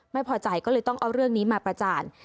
ไม่พอใจก็เลยต้องเอาเรื่องนี้มาประจาน